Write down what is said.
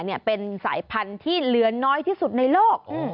เหลือน้อยที่สุดในโลก